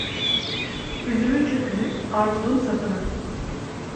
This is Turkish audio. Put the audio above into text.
Üzümün çöpünü, armudun sapını.